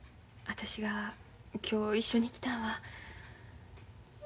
私が今日一緒に来たんは。